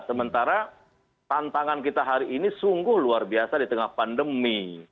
sementara tantangan kita hari ini sungguh luar biasa di tengah pandemi